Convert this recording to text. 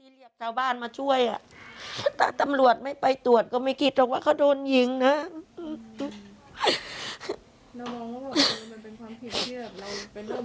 เรียกชาวบ้านมาช่วยอ่ะถ้าตำรวจไม่ไปตรวจก็ไม่คิดหรอกว่าเขาโดนยิงนะ